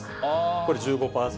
これ１５％。